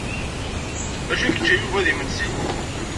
D acu i yečča Yuba d imensi?